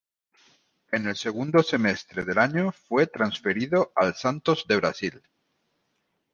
En el segundo semestre del año fue transferido al Santos de Brasil.